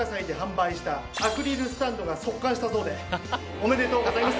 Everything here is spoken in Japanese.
おめでとうございます。